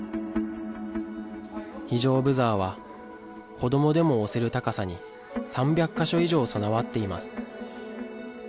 非常ブザーは子どもでも押せる高さに、３００か所以上備わっています。